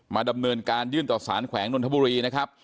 ดำเนินการยื่นต่อสารแขวงนนทบุรีนะครับ